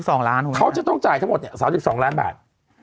ของเขาจะต้องทราบจ่าย๓๒ล้านบาท